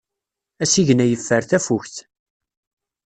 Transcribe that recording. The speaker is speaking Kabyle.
Asigna yeffer tafukt.